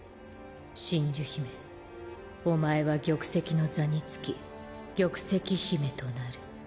真珠姫お前は玉石の座につき玉石姫となる。